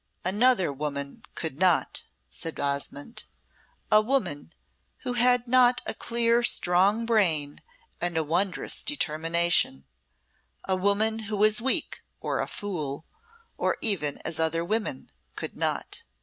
"Another woman could not," said Osmonde. "A woman who had not a clear, strong brain and a wondrous determination a woman who was weak or a fool, or even as other women, could not.